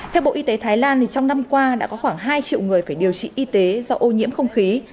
theo bộ y tế thái lan trong năm qua đã có khoảng hai triệu người phải điều trị y tế do ô nhiễm không khí